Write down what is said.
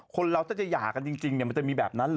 คนเราถ้าจะหย่ากันจริงมันจะมีแบบนั้นเหรอ